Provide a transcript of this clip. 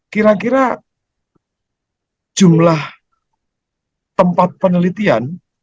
kira kira jumlah tempat penelitian